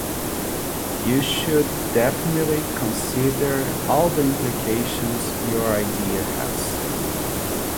You should definitely consider all the implications your idea has.